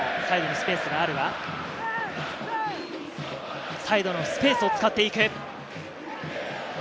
サイドにスペースがあるが、サイドのスペースを使っていく。